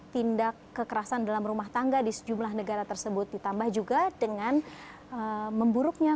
tindak kekerasan dalam rumah tangga di sejumlah negara tersebut ditambah juga dengan memburuknya